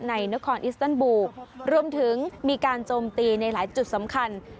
ในนครอิสตันบูลรวมถึงมีการโจมตีในหลายจุดสำคัญ